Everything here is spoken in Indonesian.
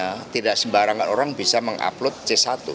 karena tidak sembarangan orang bisa mengupload c satu